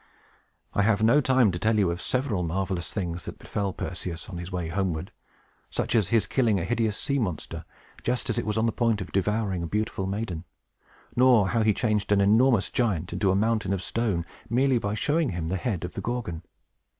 I have no time to tell you of several marvelous things that befell Perseus, on his way homeward; such as his killing a hideous sea monster, just as it was on the point of devouring a beautiful maiden; nor how he changed an enormous giant into a mountain of stone, merely by showing him the head of the Gorgon.